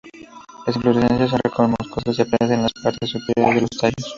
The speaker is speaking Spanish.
Las inflorescencias son racemosas y aparecen en las partes superiores de los tallos.